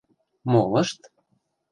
Молышт?..